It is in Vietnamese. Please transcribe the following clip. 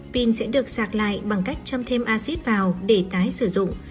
pin sẽ được sạc lại bằng cách chăm thêm acid vào để tái sử dụng